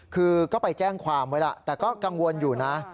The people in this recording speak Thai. คือก็ไปแจ้งความไว้แล้วแต่ก็กังวลอยู่นะ